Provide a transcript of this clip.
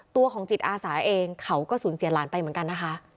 ตัวของจิตอาสาเองเขาก็สูญเสียหลานไปเหมือนกันนะคะ